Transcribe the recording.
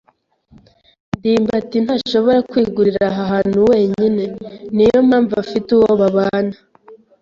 ndimbati ntashobora kwigurira aha hantu wenyine. Niyo mpamvu afite uwo babana.